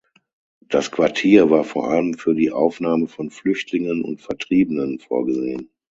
Das Quartier war vor allem für die Aufnahme von Flüchtlingen und Vertriebenen vorgesehen.